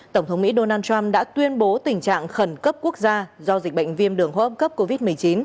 tổng thống mỹ donald trump đã tuyên bố tình trạng khẩn cấp quốc gia do dịch bệnh viêm đường hô hấp cấp covid một mươi chín